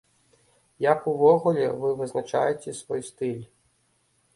Як увогуле вы вызначаеце свой стыль?